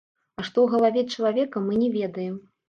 А што ў галаве чалавека, мы не ведаем.